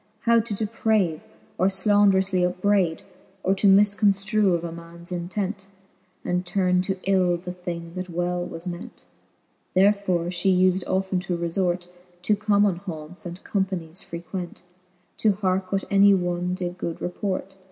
How to deprave, or flanderoufly upbrayd, Or to mifconftrue of a mans intent, And turne to ill the thing, that well was ment. Therefore fhe ufed often to refort To common haunts, and companies frequent. To hearke what any one did good report.